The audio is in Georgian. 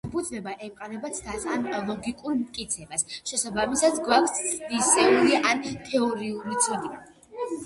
მისი დაფუძნება ემყარება ცდას ან ლოგიკურ მტკიცებას, შესაბამისად გვაქვს ცდისეული ან თეორიული ცოდნა.